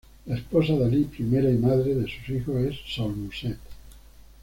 La esposa de Alí Primera y madre de sus hijos es Sol Musset.